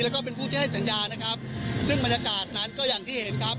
แล้วก็เป็นผู้ที่ให้สัญญานะครับซึ่งบรรยากาศนั้นก็อย่างที่เห็นครับ